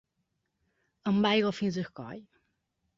Amb l'aigua fins al coll.